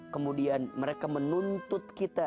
kemudian mereka menuntut kita